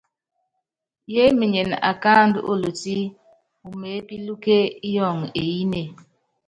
Yeémenyene akáandú olotí umeépílúke yɔŋɔ eyínée.